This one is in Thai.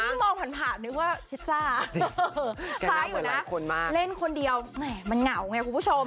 นี่มองผ่านนึกว่าจ้ะจ้ะอยู่นะเหมือนหลายคนมากเล่นคนเดียวไหนมันเหงาไงคุณผู้ชม